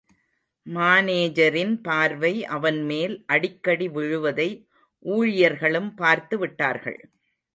மானேஜரின் பார்வை, அவன்மேல் அடிக்கடி விழுவதை ஊழியர்களும் பார்த்துவிட்டார்கள்.